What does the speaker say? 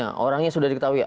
nah orangnya sudah diketahui